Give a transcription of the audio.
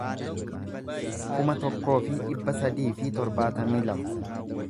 kuma tokkoo fi dhibba sadii fi torbaatamii lama